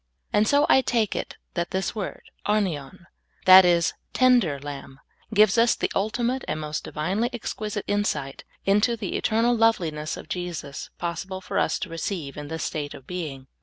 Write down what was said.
And so I take it that this word arnion — that is, "tender lamb" — gives us the ultimate and most divinely exquisite insight into the THE TENDER LAMB. 1 39 eternal loveliness of Jesus possible for us to receive in this state of being.